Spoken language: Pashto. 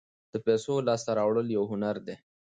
د پیسو لاسته راوړل یو هنر دی.